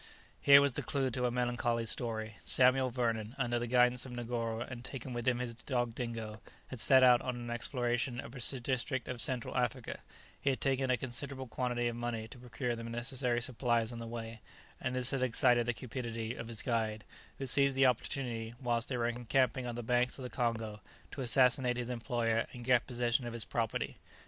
Here was the clue to a melancholy story. Samuel Vernon, under the guidance of Negoro, and taking with him his dog Dingo, had set out on an exploration of a district of Central Africa; he had taken a considerable quantity of money to procure the necessary supplies on the way, and this had excited the cupidity of his guide, who seized the opportunity, whilst they were encamping on the banks of the Congo, to assassinate his employer, and get possession of his property.